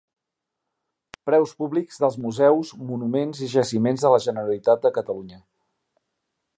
Preus públics dels museus, monuments i jaciments de la Generalitat de Catalunya.